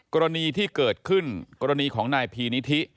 กรณีที่เกิดขึ้นกรณีของนายพีนิธิ